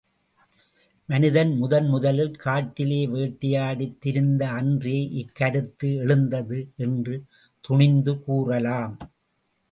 மனிதன் முதன் முதலில் காட்டிலே வேட்டையாடித் திரிந்த அன்றே இக்கருத்து எழுந்தது என்று துணிந்து கூறலாம்.